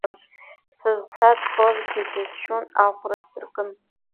Сызцаҵәҟьозгьы џьысшьон аӷәра сдыркын.